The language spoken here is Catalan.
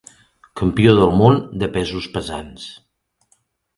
Campió del món de pesos pesants.